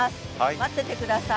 待ってて下さい。